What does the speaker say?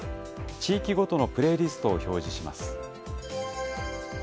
地域ごとのプレイリストを表示します。